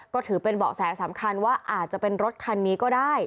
ก็ถือเป็นเบาะแสสำคัญว่าอาจจะเป็นรถคันนี้ก็ได้